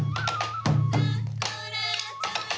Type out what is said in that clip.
สวัสดีครับ